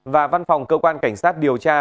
và văn phòng cơ quan cảnh sát điều tra